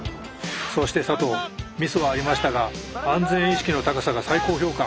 そして佐藤ミスはありましたが安全意識の高さが最高評価。